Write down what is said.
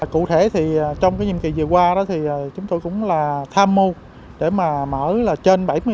cụ thể thì trong cái nhiệm kỳ vừa qua đó thì chúng tôi cũng là tham mưu để mà mở là trên bảy mươi